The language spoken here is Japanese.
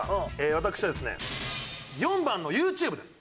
私はですね４番の「ＹｏｕＴｕｂｅ」です。